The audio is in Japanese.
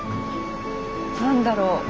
何だろう？